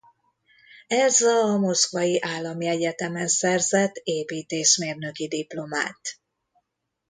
Elsa a Moszkvai Állami Egyetemen szerzett építészmérnöki diplomát.